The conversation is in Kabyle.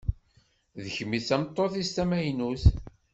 D kemm i d tameṭṭut-is tamaynut.